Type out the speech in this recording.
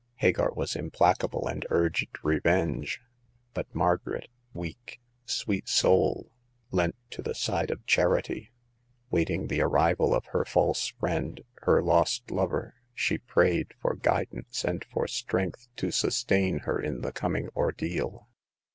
Hagar was implacable, and urged re venge ; but Margaret — weak, sweet soul— leant to the side of charity. Waiting the arrival of her false friend, her lost lover, she prayed for guidance and for strength to sustain her in the coming ordeal.